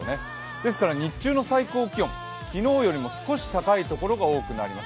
ですから日中の最高気温、昨日より少し高いところもあります。